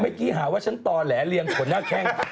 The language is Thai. เมื่อกี้หาว่าฉันต่อแหละเลี้ยงผลหน้าแข้ง